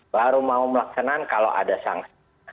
baru mau melaksanakan kalau ada sanksi